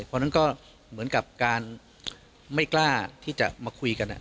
เพราะฉะนั้นก็เหมือนกับการไม่กล้าที่จะมาคุยกัน